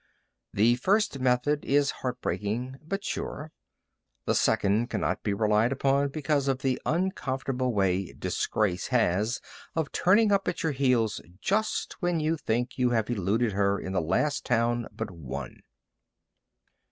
The first method is heart breaking, but sure. The second cannot be relied upon because of the uncomfortable way Disgrace has of turning up at your heels just when you think you have eluded her in the last town but one.